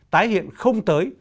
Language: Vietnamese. tái hiện không tới